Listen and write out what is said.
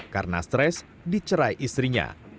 karena stres dicerai istrinya